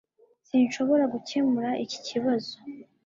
Sinshobora gukemura iki kibazo.